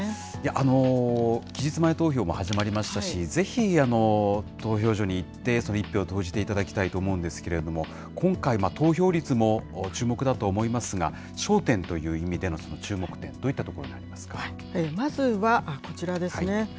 期日前投票も始まりましたし、ぜひ投票所に行って、その１票を投じていただきたいと思うんですけれども、今回、投票率も注目だと思いますが、焦点という意味での注目点、どういったまずはこちらですね。